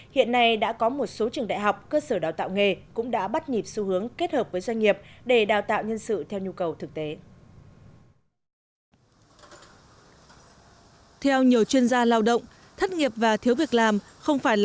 hiện nay đã có một số trường đại học cơ sở đào tạo nghề cũng đã bắt nhịp xu hướng kết hợp với doanh nghiệp